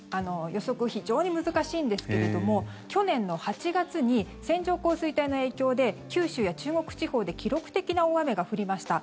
予測非常に難しいんですけれども去年の８月に線状降水帯の影響で九州や中国地方で記録的な大雨が降りました。